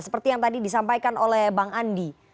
seperti yang tadi disampaikan oleh bang andi